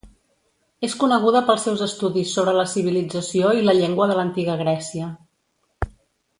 És coneguda pels seus estudis sobre la civilització i la llengua de l'Antiga Grècia.